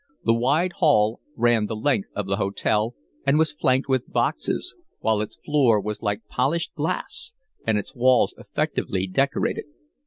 The wide hall ran the length of the hotel and was flanked with boxes, while its floor was like polished glass and its walls effectively decorated.